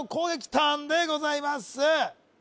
ターンでございます